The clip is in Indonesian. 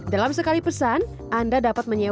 dalam sekali pesan anda dapat mencari baju yang berbeda